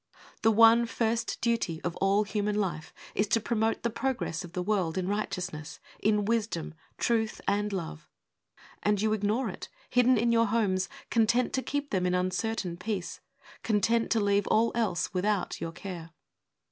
The one first duty of all human life Is to promote the progress of the world In righteousness, in wisdom, truth and love; And you ignore it, hidden in your homes, Content to keep them in uncertain peace, Content to leave all else without your care.